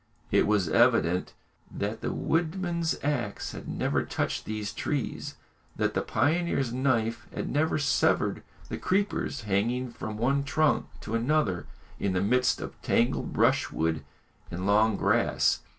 It was evident that the woodman's axe had never touched these trees, that the pioneer's knife had never severed the creepers hanging from one trunk to another in the midst of tangled brushwood and long grass.